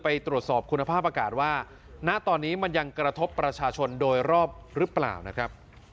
ไปตรวจสอบคุณภาพอากาศว่าณตอนนี้มันยังกระทบประชาชนโดยรอบหรือเปล่านะครับ